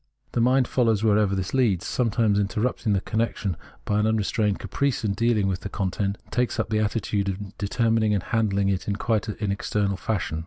The mind follows wherever this leads, sometimes interrupting the connection by an unrestrained caprice in deahng with the content, and takes up the attitude of determining and handhng it in quite an external fashion.